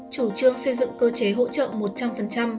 chủ trương xây dựng cơ chế hỗ trợ một trăm linh